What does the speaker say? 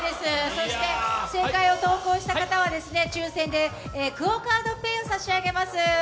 そして、正解を投稿した人は、抽選でＱＵＯカードＰａｙを差し上げます。